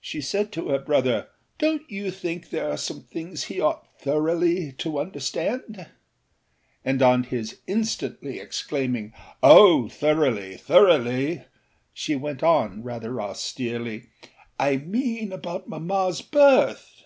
She said to her brother: âDonât you think there are some things he ought thoroughly to understand?â and on his instantly exclaiming âOh, thoroughlyâthoroughly!â she went on, rather austerely: âI mean about mammaâs birth.